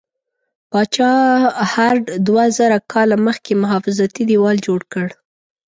پاچا هرډ دوه زره کاله مخکې محافظتي دیوال جوړ کړ.